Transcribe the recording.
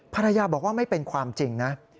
ภรรยาบอกว่าไม่เป็นความจริงนะ